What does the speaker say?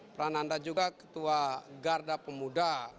prananda juga ketua garda pemuda